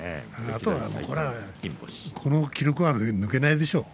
あとは、この記録は抜けないでしょう。